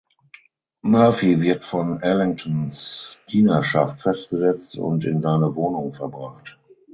Murphy wird von Ellingtons Dienerschaft festgesetzt und in seine Wohnung verbracht.